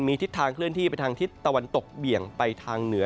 มีทิศทางเคลื่อนที่ไปทางทิศตะวันตกเบี่ยงไปทางเหนือ